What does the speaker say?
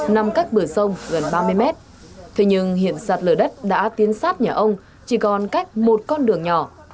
nằm cách bờ sông gần ba mươi mét thế nhưng hiện sạt lở đất đã tiến sát nhà ông chỉ còn cách một con đường nhỏ